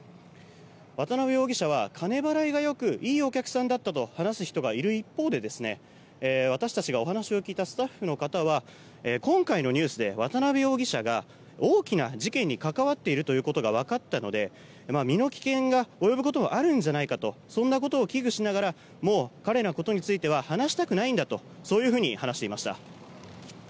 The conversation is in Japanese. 渡邉容疑者は金払いが良くいいお客さんだったと話す人がいる一方で私たちがお話を聞いたスタッフの方は今回のニュースで渡邉容疑者が大きな事件に関わっているということが分かったので、身の危険が及ぶこともあるんじゃないかとそんなことを危惧しながらもう彼のことについては話したくないんだというふうに話していました。